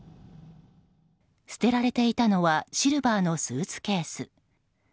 捨てられていたのはシルバーのスーツケース。